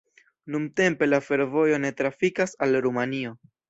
Nuntempe la fervojo ne trafikas al Rumanio.